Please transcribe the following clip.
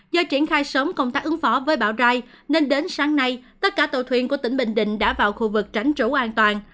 do triển khai sớm công tác ứng phó với bão rai nên đến sáng nay tất cả tàu thuyền của tỉnh bình định đã vào khu vực tránh trú an toàn